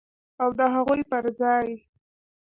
او د هغوی پر ځای